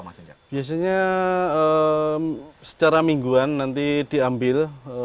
biasanya secara mingguan nanti diambil